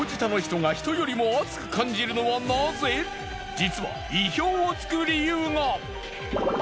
実は意表を突く理由が。